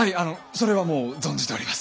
それはもう存じております。